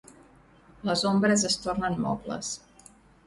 Les ombres es tornen mobles.